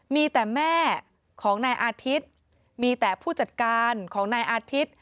มีแต่แม่ของนายอาทิตย์มีแต่ผู้จัดการของนายอาทิตย์